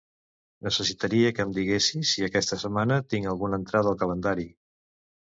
Necessitaria que em diguessis si aquesta setmana tinc alguna entrada al calendari.